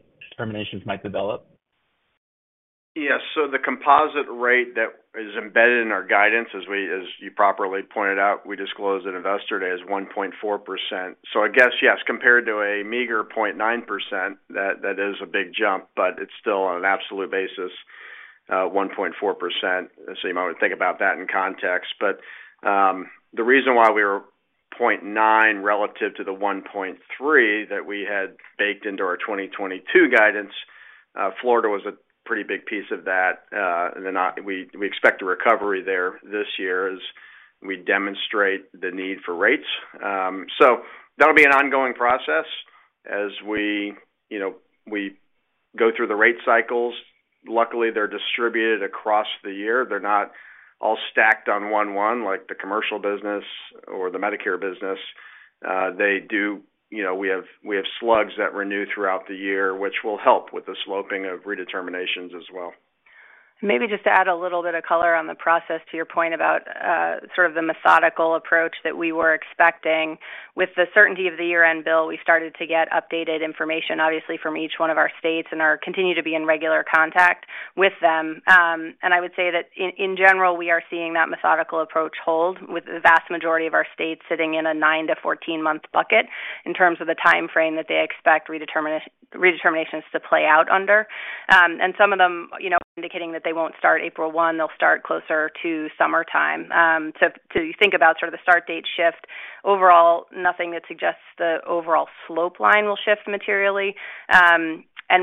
might develop? Yes. The composite rate that is embedded in our guidance as we, as you properly pointed out, we disclosed at Investor Day is 1.4%. I guess, yes, compared to a meager 0.9%, that is a big jump, but it's still on an absolute basis, 1.4%. You might want to think about that in context. The reason why we were 0.9 relative to the 1.3 that we had baked into our 2022 guidance, Florida was a pretty big piece of that. We expect a recovery there this year as we demonstrate the need for rates. That'll be an ongoing process as we, you know, we go through the rate cycles. Luckily, they're distributed across the year. They're not all stacked on one like the commercial business or the Medicare business. You know, we have slugs that renew throughout the year, which will help with the sloping of redeterminations as well. Maybe just to add a little bit of color on the process to your point about, sort of the methodical approach that we were expecting. With the certainty of the year-end bill, we started to get updated information, obviously, from each one of our states and continue to be in regular contact with them. I would say that in general, we are seeing that methodical approach hold, with the vast majority of our states sitting in a 9-14 month bucket in terms of the timeframe that they expect redeterminations to play out under. Some of them, you know, indicating that they won't start April 1, they'll start closer to summertime. You think about sort of the start date shift. Overall, nothing that suggests the overall slope line will shift materially.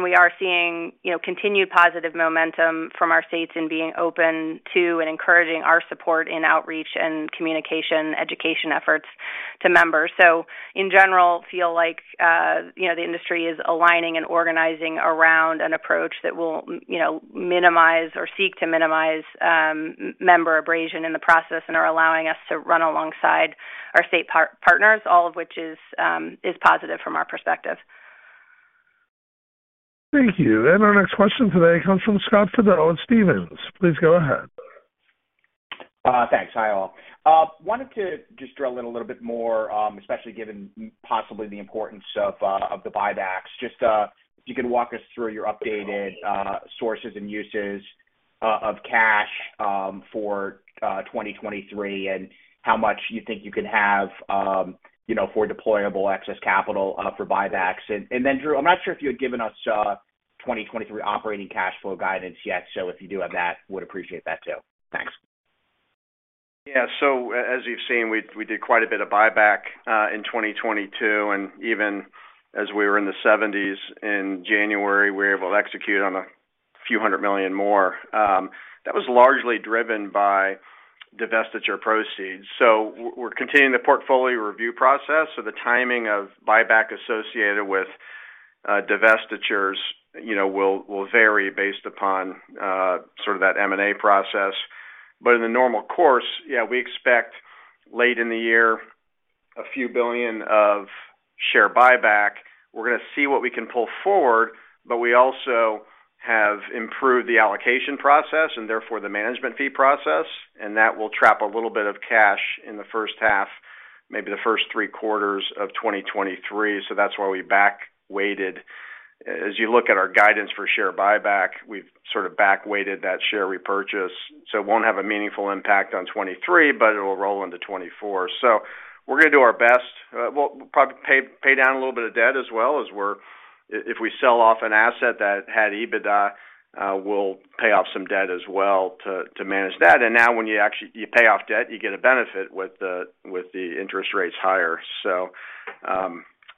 We are seeing, you know, continued positive momentum from our states in being open to and encouraging our support in outreach and communication education efforts to members. In general, feel like, you know, the industry is aligning and organizing around an approach that will, you know, minimize or seek to minimize member abrasion in the process and are allowing us to run alongside our state part-partners, all of which is positive from our perspective. Thank you. Our next question today comes from Scott Fidel at Stephens. Please go ahead. Thanks. Hi, all. Wanted to just drill in a little bit more, especially given possibly the importance of the buybacks. Just, if you could walk us through your updated sources and uses of cash for 2023 and how much you think you can have, you know, for deployable excess capital for buybacks. Drew, I'm not sure if you had given us 2023 operating cash flow guidance yet. If you do have that, would appreciate that too. Thanks. As you've seen, we did quite a bit of buyback in 2022, even as we were in the $70s in January, we were able to execute on a few hundred million more. That was largely driven by divestiture proceeds. We're continuing the portfolio review process. The timing of buyback associated with divestitures, you know, will vary based upon sort of that M&A process. In the normal course, we expect late in the year a few billion of share buyback. We're gonna see what we can pull forward, we also have improved the allocation process, therefore, the management fee process, that will trap a little bit of cash in the first half, maybe the first three quarters of 2023. That's why we back-weighted. As you look at our guidance for share buyback, we've sort of back-weighted that share repurchase. It won't have a meaningful impact on 2023, but it'll roll into 2024. We're gonna do our best. We'll probably pay down a little bit of debt as well if we sell off an asset that had EBITDA, we'll pay off some debt as well to manage that. Now when you actually pay off debt, you get a benefit with the interest rates higher.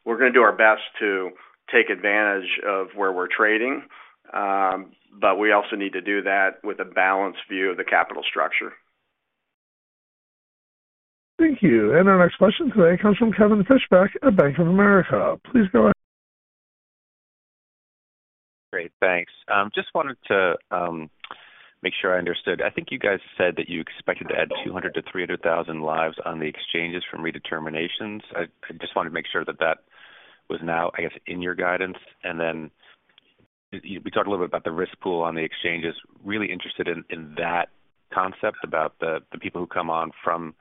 We're gonna do our best to take advantage of where we're trading. We also need to do that with a balanced view of the capital structure. Thank you. Our next question today comes from Kevin Fischbeck at Bank of America. Please go ahead. Great. Thanks. Just wanted to make sure I understood. I think you guys said that you expected to add 200,000-300,000 lives on the exchanges from redeterminations. I just wanted to make sure that that was now, I guess, in your guidance. Then you talked a little bit about the risk pool on the exchanges. Really interested in that concept about the people who come on from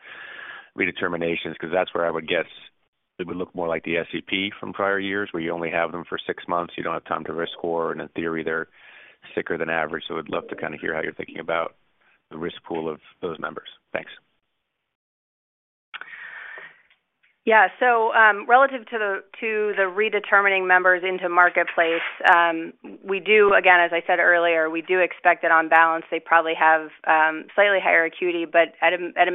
redeterminations, 'cause that's where I would guess it would look more like the SEP from prior years, where you only have them for six months, you don't have time to risk score, and in theory, they're sicker than average. I'd love to kind of hear how you're thinking about the risk pool of those members. Thanks. Relative to the, to the redetermining members into Marketplace, we do, again, as I said earlier, we do expect that on balance, they probably have slightly higher acuity, but at a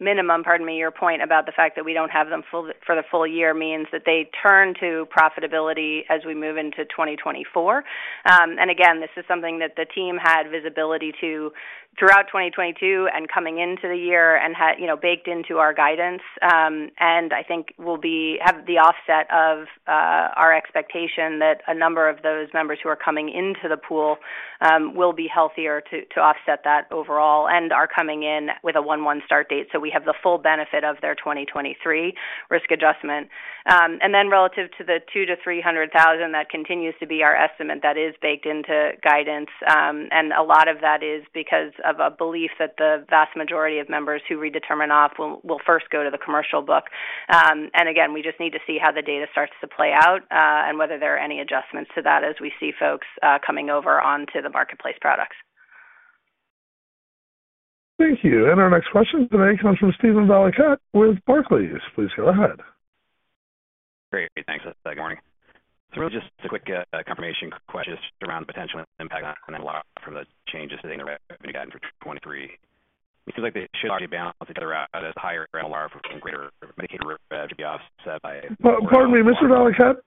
minimum, pardon me, your point about the fact that we don't have them for the full year means that they turn to profitability as we move into 2024. Again, this is something that the team had visibility to throughout 2022 and coming into the year and had, you know, baked into our guidance. I think we'll have the offset of our expectation that a number of those members who are coming into the pool will be healthier to offset that overall and are coming in with a 1/1 start date. We have the full benefit of their 2023 risk adjustment. Relative to the 200,000-300,000, that continues to be our estimate that is baked into guidance. A lot of that is because of a belief that the vast majority of members who redetermine off will first go to the commercial book. Again, we just need to see how the data starts to play out, and whether there are any adjustments to that as we see folks coming over onto the Marketplace products. Thank you. Our next question today comes from Steven Valiquette with Barclays. Please go ahead. Great. Thanks. Good morning. really just a quick confirmation question just around potential impact on MLR from the changes sitting in the revenue guide for 2023. It seems like it should all get balanced together out as higher MLR from greater Medicaid revenue to be offset by... Pardon me, Mr. Valiquette.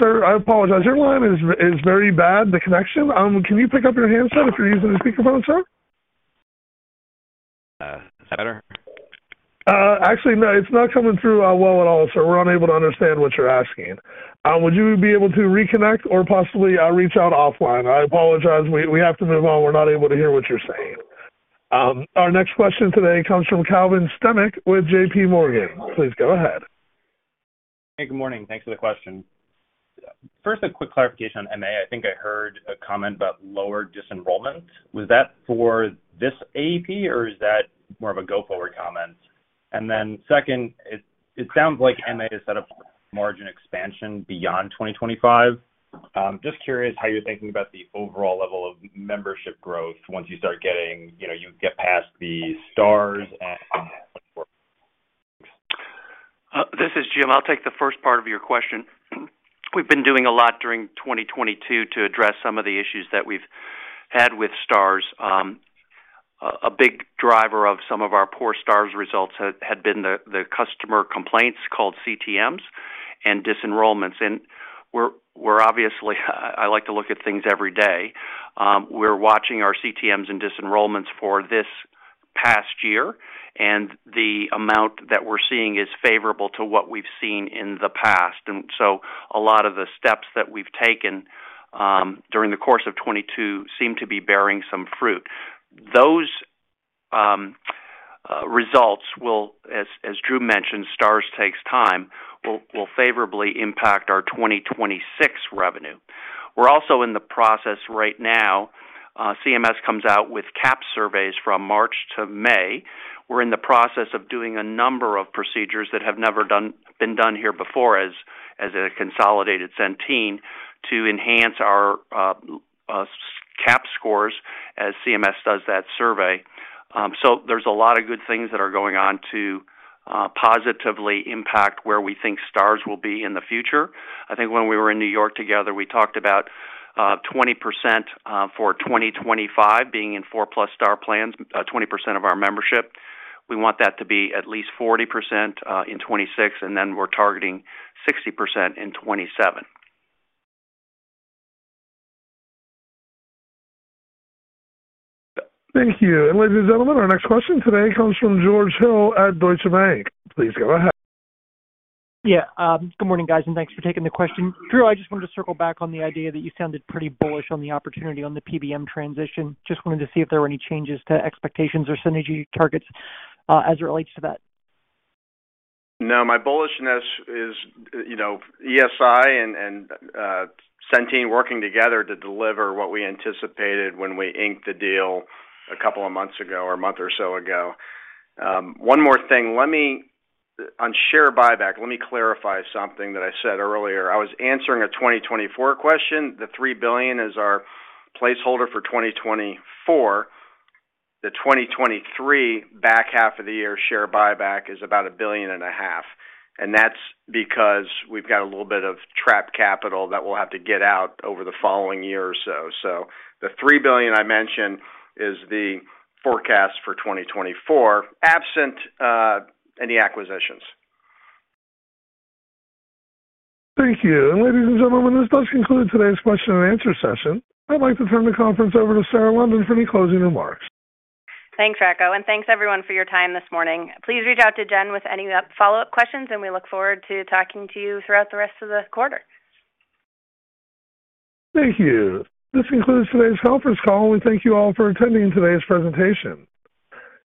Sir, I apologize. Your line is very bad, the connection. Can you pick up your handset if you're using a speakerphone, sir? Is that better? Actually, no. It's not coming through, well at all, sir. We're unable to understand what you're asking. Would you be able to reconnect or possibly, reach out offline? I apologize. We have to move on. We're not able to hear what you're saying. Our next question today comes from Calvin Sternick with JPMorgan. Please go ahead. Hey, good morning. Thanks for the question. First, a quick clarification on MA. I think I heard a comment about lower disenrollment. Was that for this AP, or is that more of a go-forward comment? Second, it sounds like MA is set up for margin expansion beyond 2025. Just curious how you're thinking about the overall level of membership growth once you start getting... You know, you get past the Stars and. This is Jim. I'll take the first part of your question. We've been doing a lot during 2022 to address some of the issues that we've had with Stars. A big driver of some of our poor Stars results had been the customer complaints called CTMs and disenrollments. We're obviously. I like to look at things every day. We're watching our CTMs and disenrollments for this past year, and the amount that we're seeing is favorable to what we've seen in the past. So a lot of the steps that we've taken during the course of 2022 seem to be bearing some fruit. Those results will, as Drew mentioned, Stars takes time, will favorably impact our 2026 revenue. We're also in the process right now, CMS comes out with CAHPS surveys from March to May. We're in the process of doing a number of procedures that have never been done here before as a consolidated Centene to enhance our S-CAHPS scores as CMS does that survey. There's a lot of good things that are going on to positively impact where we think stars will be in the future. I think when we were in New York together, we talked about 20% for 2025 being in 4-plus Star plans, 20% of our membership. We want that to be at least 40% in 2026. We're targeting 60% in 2027. Thank you. Ladies and gentlemen, our next question today comes from George Hill at Deutsche Bank. Please go ahead. Good morning, guys, and thanks for taking the question. Drew, I just wanted to circle back on the idea that you sounded pretty bullish on the opportunity on the PBM transition. Just wanted to see if there were any changes to expectations or synergy targets, as it relates to that. My bullishness is, you know, ESI and Centene working together to deliver what we anticipated when we inked the deal a couple of months ago or a month or so ago. One more thing. On share buyback, let me clarify something that I said earlier. I was answering a 2024 question. The $3 billion is our placeholder for 2024. The 2023 back half of the year share buyback is about a billion and a half, and that's because we've got a little bit of trapped capital that we'll have to get out over the following year or so. So the $3 billion I mentioned is the forecast for 2024, absent any acquisitions. Thank you. Ladies and gentlemen, this does conclude today's question and answer session. I'd like to turn the conference over to Sarah London for any closing remarks. Thanks, Rocco, and thanks everyone for your time this morning. Please reach out to Jen with any follow-up questions, and we look forward to talking to you throughout the rest of the quarter. Thank you. This concludes today's conference call, and we thank you all for attending today's presentation.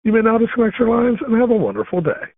You may now disconnect your lines and have a wonderful day.